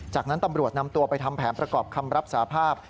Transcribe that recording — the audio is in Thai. จากนั้นตำรวจนำตัวไปทำแผนประกอบคำรับสาภาพ